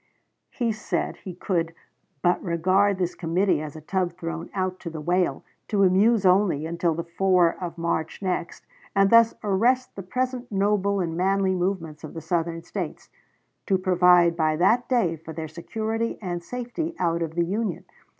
He said he could "but regard this committee as a tub thrown out to the whale, to amuse only, until the 4th of March next, and thus arrest the present noble and manly movements of the Southern States to provide by that day for their security and safety out of the Union.